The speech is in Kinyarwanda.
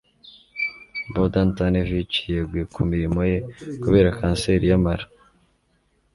Bogdan Tanevich yeguye ku mirimo ye kubera kanseri y'amara.